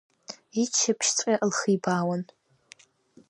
Иччаԥшьҵәҟьа лхибаауан…